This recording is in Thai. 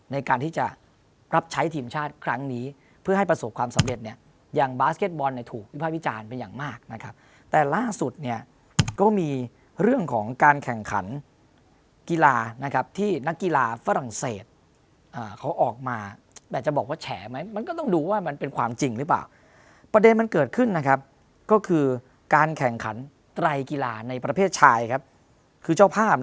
ในการที่จะรับใช้ทีมชาติครั้งนี้เพื่อให้ประสบความสำเร็จเนี่ยอย่างบาสเก็ตบอลในถูกวิภาพิจารณ์เป็นอย่างมากนะครับแต่ล่าสุดเนี่ยก็มีเรื่องของการแข่งขันกีฬานะครับที่นักกีฬาฝรั่งเศสอ่าเขาออกมาแต่จะบอกว่าแฉมั้ยมันก็ต้องดูว่ามันเป็นความจริงหรือเปล่าประเด็นมันเกิดขึ้นนะครับก็คื